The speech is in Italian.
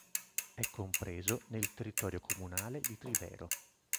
È compreso nel territorio comunale di Trivero.